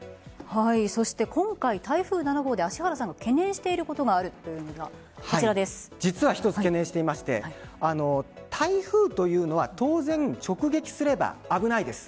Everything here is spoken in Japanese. そして今回台風７号で芦原さんが懸念していることが一つ、懸念していまして台風というのは当然、直撃すれば危ないです。